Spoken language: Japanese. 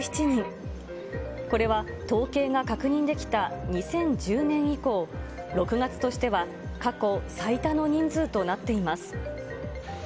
これは、統計が確認できた２０１０年以降、６月としては過去最多の人数となっています。